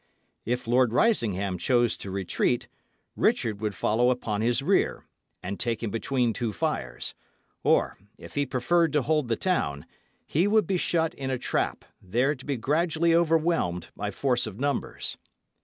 If Lord Risingham chose to retreat, Richard would follow upon his rear, and take him between two fires; or, if he preferred to hold the town, he would be shut in a trap, there to be gradually overwhelmed by force of numbers.